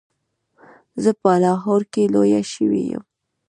زه په لاهور کې لویه شوې یم.